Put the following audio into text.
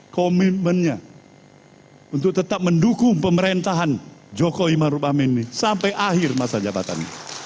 komitmennya untuk tetap mendukung pemerintahan joko iman rubam ini sampai akhir masa jabatan